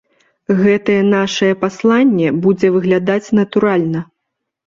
Гэтае нашае пасланне будзе выглядаць натуральна.